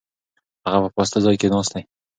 هغه په پاسته ځای کې ناست دی.